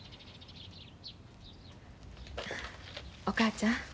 お母ちゃん。